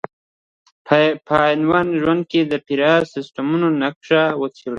په حیوان په ژوند کې د فرعي سیسټمونو نقش وڅېړئ.